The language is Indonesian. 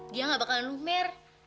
dia gak bakalan lumer